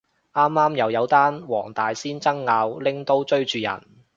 啱啱又有單黃大仙爭拗拎刀追住人